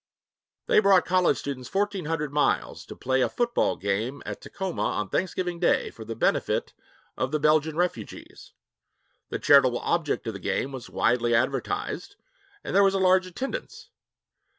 They brought college students 1400 miles to play a football game at Tacoma on Thanksgiving Day for the benefit of the Belgian refugees. The charitable object of the game was widely advertised and there was a large attendance.